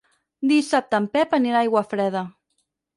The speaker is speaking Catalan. Dissabte en Pep anirà a Aiguafreda.